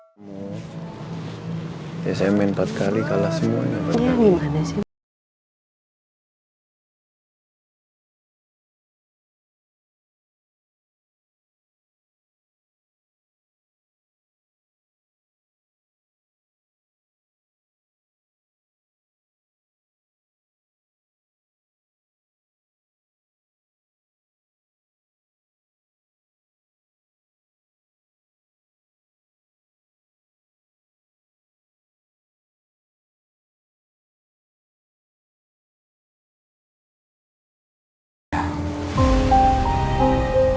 hai smn empat kali kalah semua ini mana sih